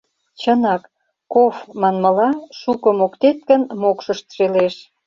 Чынак, К-ов манмыла, «Шуко моктет гын, мокшышт шелеш».